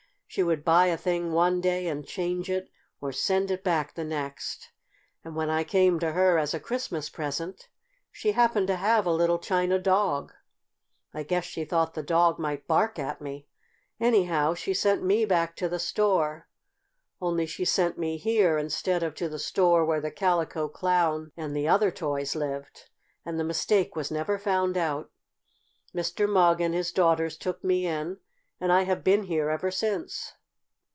She would buy a thing one day and change it, or send it back, the next. "And when I came to her as a Christmas present, she happened to have a little China Dog. I guess she thought the dog might bark at me. Anyhow, she sent me back to the store, only she sent me here instead of to the store where the Calico Clown and the other toys lived, and the mistake was never found out. Mr. Mugg and his daughters took me in, and I have been here ever since."